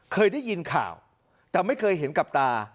เคยได้ยินข่าวแต่ไม่เคยเห็นกับตา